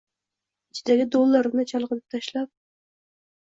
ichidagi doʼllarini chigitlab tashlab